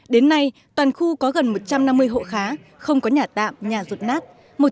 đến nay toàn khu có gần một trăm năm mươi hộ khá không có nhà tạm nhà rụt nát